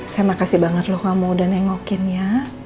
saya makasih banget lo gak mau udah nengokin ya